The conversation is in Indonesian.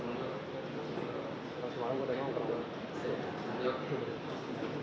mas walu kembali